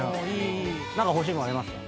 何か欲しいもんありますか？